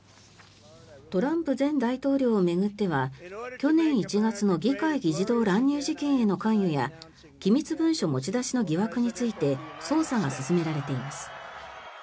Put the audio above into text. トランプ前大統領を巡っては去年１月の議会議事堂乱入事件への関与や機密文書持ち出しの疑惑について捜査が進められています。